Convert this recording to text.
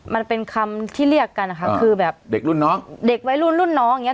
มันเป็นคำที่เรียกกันนะคะคือแบบเด็กรุ่นน้องเด็กวัยรุ่นรุ่นน้องอย่างเงี้